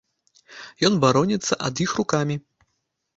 Ён бароніцца ад іх рукамі.